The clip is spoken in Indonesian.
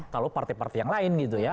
kalau partai partai yang lain gitu ya